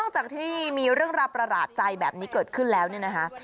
จากที่มีเรื่องราวประหลาดใจแบบนี้เกิดขึ้นแล้วเนี่ยนะคะ